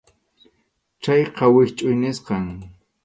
Chayqa wischʼuy nisqam.